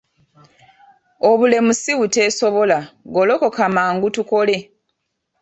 Obulemu si buteesobola golokoka mangu tukole.